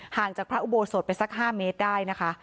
จากพระอุโบสถไปสัก๕เมตรได้นะคะ